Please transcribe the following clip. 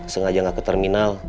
sengaja enggak ke terminal